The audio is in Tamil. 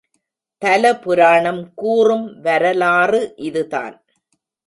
தல புராணம் கூறும்வரலாறு இதுதான்.